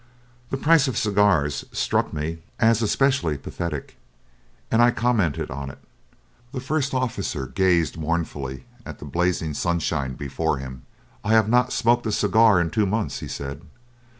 The price of cigars struck me as especially pathetic, and I commented on it. The first officer gazed mournfully at the blazing sunshine before him. "I have not smoked a cigar in two months," he said.